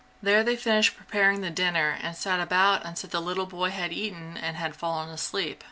There they finished preparing the dinner and sat about until the little boy had eaten and had fallen asleep.